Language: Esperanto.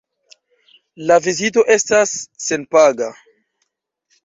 La vizito estas senpaga.